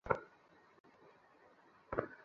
কী part করিবে কুমুদ?